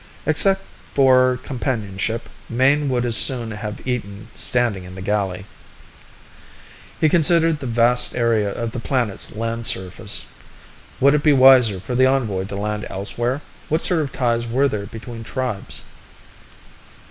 Except for companionship, Mayne would as soon have eaten standing in the galley. He considered the vast area of the planet's land surface. Would it be wiser for the envoy to land elsewhere? What sort of ties were there between tribes?